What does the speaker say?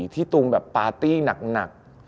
ที่ตูมปาร์ตี้หนัก